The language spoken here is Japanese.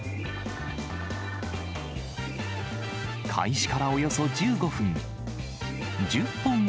開始からおよそ１５分。